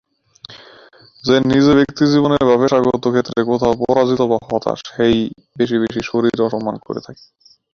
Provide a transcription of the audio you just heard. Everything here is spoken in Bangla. যিনি নিজে ব্যক্তিজীবনে বা পেশাগত ক্ষেত্রে কোথাও পরাজিত বা হতাশ, তিনিই বেশি বেশি শরীর অসম্মান করে থাকে।